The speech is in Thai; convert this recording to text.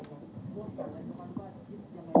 ครับก็เดี๋ยวเชิญพี่น้องสมุทรจะสอบถามไหม